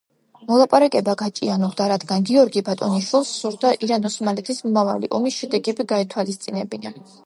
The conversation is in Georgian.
მოლაპარაკება გაჭიანურდა, რადგან გიორგი ბატონიშვილს სურდა ირან-ოსმალეთის მომავალი ომის შედეგები გაეთვალისწინებინა.